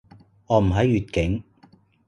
我唔喺粵境